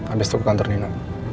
abis itu ke kantor nino